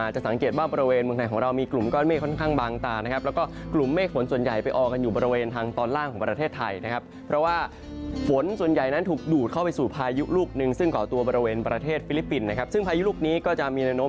ช่วงวันหยุดสุดสัปดาห์ที่ผ่านมา